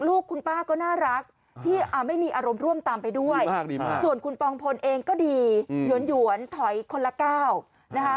ลูกคุณป้าก็น่ารักที่ไม่มีอารมณ์ร่วมตามไปด้วยส่วนคุณปองพลเองก็ดีหยวนถอยคนละก้าวนะคะ